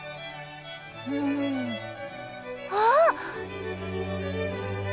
うん。あっ！